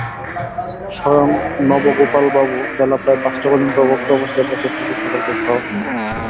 স্বয়ং নবগোপালবাবু বেলা প্রায় পাঁচটা পর্যন্ত অভুক্ত অবস্থায় বসে থেকে সকলকে খাওয়ালেন।